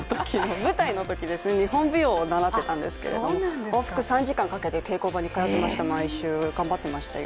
舞台のときですね、日本舞踊を習っていたんですけど往復３時間かけて、毎週稽古場に通っていました頑張ってましたよ。